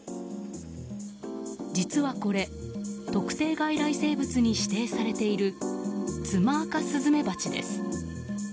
実はこれ、特定外来生物に指定されているツマアカスズメバチです。